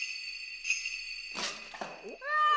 うわ！